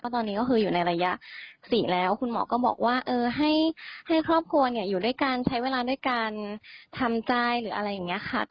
ตอนนี้ก็คืออยู่ในระยะ๔แล้วคุณหมอก็บอกว่าให้ครอบครัวอยู่ด้วยกันใช้เวลาด้วยการทำใจหรืออะไรอย่างนี้ค่ะ